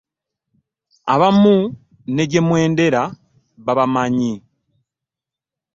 Abamu ne gye mwendera babamanyi.